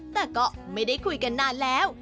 แต่ก็ไม่ได้คุยกันนานแล้ว